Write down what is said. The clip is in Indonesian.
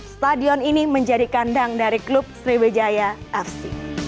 stadion ini menjadi kandang dari klub sriwijaya fc